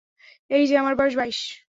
এই যে, আমার বয়স বাইশ।